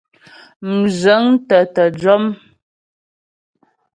Mzhə̌ŋtə tə jɔ́m.